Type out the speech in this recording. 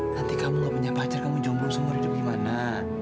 nanti kamu gak punya pacar kamu jombong seumur hidup gimana